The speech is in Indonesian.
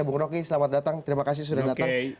bung roky selamat datang terima kasih sudah datang